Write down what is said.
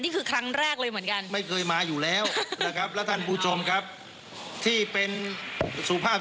แต่ว่าถ้าเป็นเด็กต่ำกว่ายุ่น๑๘นี่คือเป็นปัญหาครับที่เราพบ